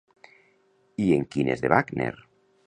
I en quines de Wagner?